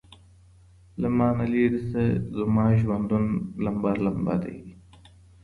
له مانه ليري سه زما ژوندون لمبه ،لمبه دی.......